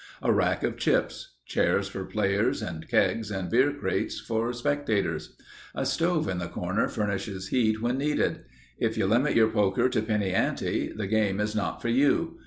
A rack of chips. Chairs for players and kegs and beer crates for spectators. A stove in the corner furnishes heat when needed. If you limit your poker to penny ante, the game is not for you.